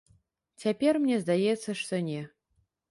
Цяпер, мне здаецца, што не.